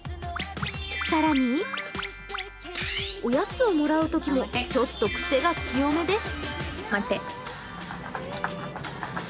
更に、おやつをもらうときもちょっとくせが強めです。